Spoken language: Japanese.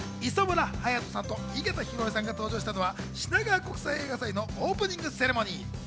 磯村勇斗さんと井桁弘恵さんが登場したのは、品川国際映画祭のオープニングセレモニー。